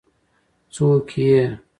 څوک يې؟